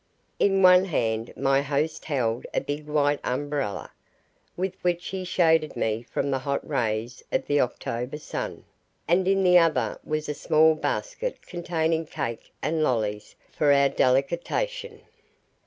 In one hand my host held a big white umbrella, with which he shaded me from the hot rays of the October sun, and in the other was a small basket containing cake and lollies for our delectation.